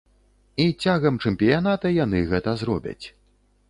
І цягам чэмпіяната яны гэта зробяць.